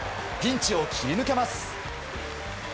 ピンチを切り抜けます。